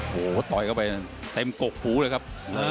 โอ้โหต่อยเข้าไปเต็มกกหูเลยครับ